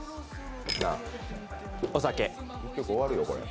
お酒。